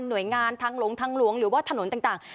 หน่วยงานทางหลงทางหลวงหรือว่าถนนต่าง